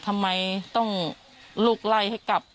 ทำไมต้องลูกไล่ให้กลับ